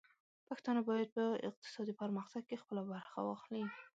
پښتانه بايد په اقتصادي پرمختګ کې خپله برخه واخلي.